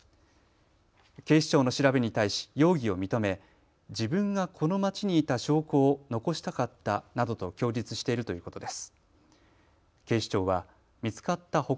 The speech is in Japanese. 警視庁の調べに対し容疑を認め自分がこの街にいた証拠を残したかったなどと供述しているということです。